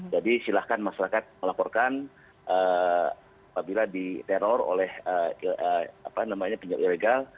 jadi silahkan masyarakat melaporkan apabila diteror oleh pinjol ilegal